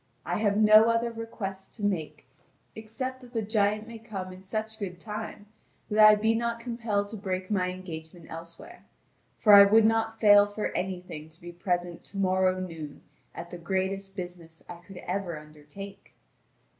I have no other request to make, except that the giant may come in such good time that I be not compelled to break my engagement elsewhere; for I would not fail for anything to be present to morrow noon at the greatest business I could ever undertake."